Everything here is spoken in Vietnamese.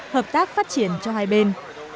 hợp tác phát triển cho hai bên